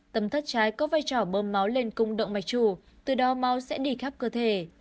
tâm thất trái có vai trò bơm máu lên cung động mạch chủ từ đó máu sẽ đi khắp cơ thể